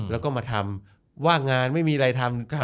แล้วก็มาทำว่างงานไม่มีอะไรทำ